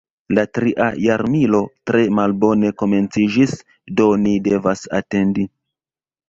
La tria jarmilo tre malbone komenciĝis, do ni devas atendi.